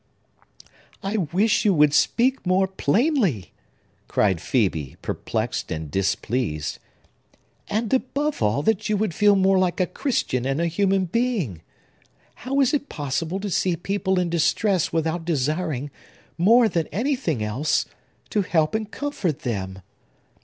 "I wish you would speak more plainly," cried Phœbe, perplexed and displeased; "and, above all, that you would feel more like a Christian and a human being! How is it possible to see people in distress without desiring, more than anything else, to help and comfort them?